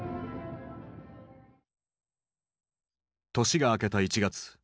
年が明けた１月。